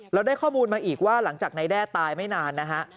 เราได้ข้อมูลมาอีกว่าหลังจากนายแด้ตายไม่นานนะฮะ